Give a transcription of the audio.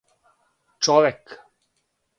Човек